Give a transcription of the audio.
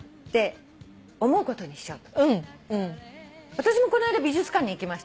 私もこの間美術館に行きましてね。